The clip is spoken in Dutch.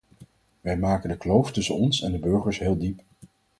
Wij maken de kloof tussen ons en de burgers heel diep.